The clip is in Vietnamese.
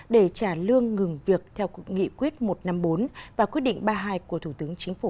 để trả lương ngừng việc theo cục nghị quyết một trăm năm mươi bốn và quyết định ba mươi hai của thủ tướng chính phủ